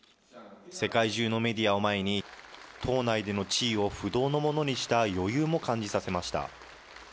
世界中のメディアを前に、党内での地位を不動のものにした余裕も感じさせました。